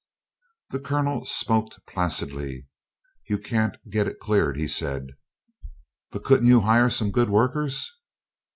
The Colonel smoked placidly. "You can't get it cleared," he said. "But couldn't you hire some good workers?"